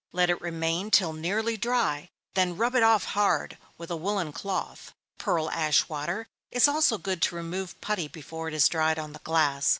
Let it remain till nearly dry, then rub it off hard, with a woollen cloth. Pearl ash water is also good to remove putty before it is dried on the glass.